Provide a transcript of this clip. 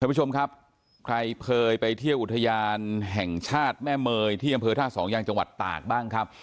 ผู้ชมครับใครเคยไปเที่ยวอุทยานแห่งชาติแม่เมยที่อำเภอท่าสองยังจังหวัดตากบ้างครับ